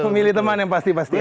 memilih teman yang pasti pasti